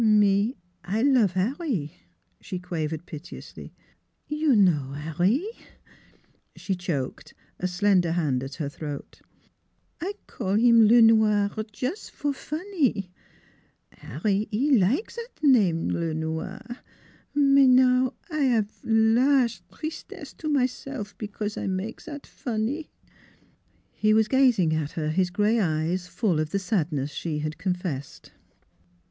" Me I love 'Arry," she quavered piteously. 44 You know 'Arry " She choked, a slender hand at her throat. " I call heem Le Noir jus' for fonnie. 'Arry 'e like zat name Le Noir; mais I 'ave now large tristesse to myself because I make zat fonnie." He was gazing at her, his gray eyes full of the sadness she had confessed.